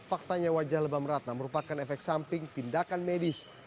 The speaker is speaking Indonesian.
faktanya wajah lebam ratna merupakan efek samping tindakan medis